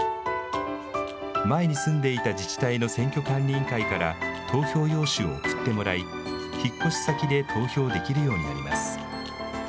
前に住んでいた自治体の選挙管理委員会から、投票用紙を送ってもらい、引っ越し先で投票できるようになります。